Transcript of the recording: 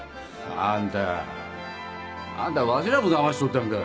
あんたあんたわしらもだましちょったんか。